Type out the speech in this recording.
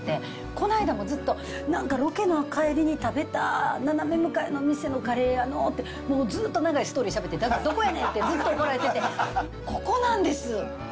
この間もずっと、ロケの帰りに食べた斜め向かいの店のカレーやのって、もうずっと長いストーリーしゃべって、どこやねんって怒られて、ここなんです。